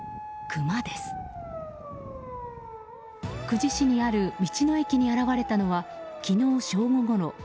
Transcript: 久慈市にある道の駅に現れたのは昨日正午ごろ。